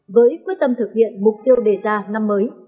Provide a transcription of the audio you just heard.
với quyết tâm thực hiện mục tiêu đề ra năm mới